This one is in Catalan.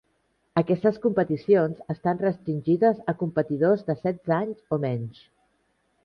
Aquestes competicions estan restringides a competidors de setze anys o menys.